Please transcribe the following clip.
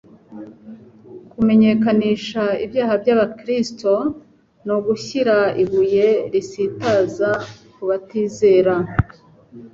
Kumenyekanisha ibyaha by'abakristo ni ugushyira ibuye risitaza ku batizera;